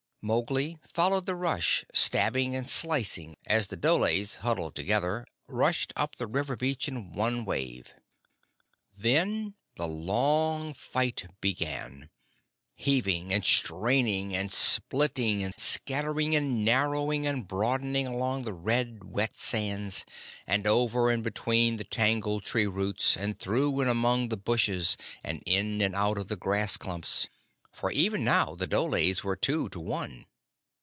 Mowgli followed the rush, stabbing and slicing as the dholes, huddled together, rushed up the river beach in one wave. Then the long fight began, heaving and straining and splitting and scattering and narrowing and broadening along the red, wet sands, and over and between the tangled tree roots, and through and among the brushes, and in and out of the grass clumps; for even now the dholes were two to one.